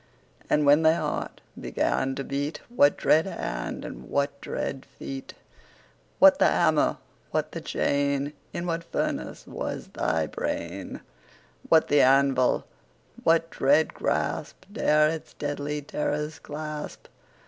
10 And when thy heart began to beat, What dread hand and what dread feet? What the hammer? what the chain? In what furnace was thy brain? What the anvil? What dread grasp 15 Dare its deadly terrors clasp?